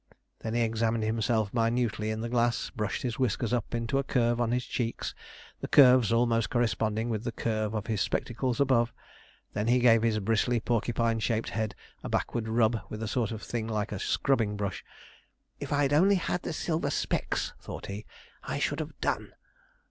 Then he examined himself minutely in the glass, brushed his whiskers up into a curve on his cheeks, the curves almost corresponding with the curve of his spectacles above; then he gave his bristly, porcupine shaped head a backward rub with a sort of thing like a scrubbing brush. 'If I'd only had the silver specs,' thought he, 'I should have done.'